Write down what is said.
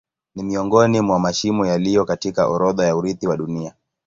Ni miongoni mwa mashimo yaliyo katika orodha ya urithi wa Dunia.